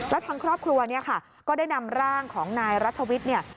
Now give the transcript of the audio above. และทั้งครอบครัวก็ได้นำร่างของนายรัฐวิทย์